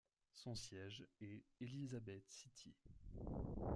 Son siège est Elizabeth City.